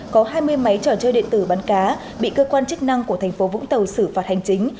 có hai mươi máy trò chơi điện tử bắn cá bị cơ quan chức năng của thành phố vũng tàu xử phạt hành chính